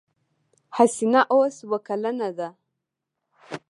حسينه اوس اوه کلنه ده.